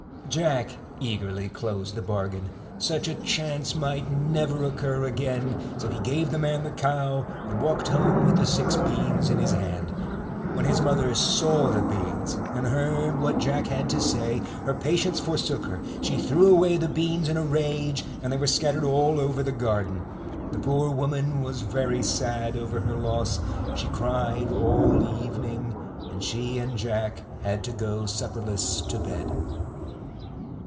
Jack eagerly closed the bargain. Such a chance might never occur again, so he gave the man the cow, and walked home with the six beans in his hand. When his mother saw the beans, and heard what Jack had to say, her patience forsook her; she threw away the beans in a rage, and they were scattered all over the garden. The poor woman was very sad over her loss ; she cried all the even ing, and she and Jack had to go supperless to bed.